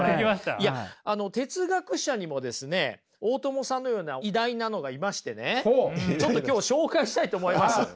いや哲学者にもですね大友さんのような偉大なのがいましてねちょっと今日紹介したいと思います。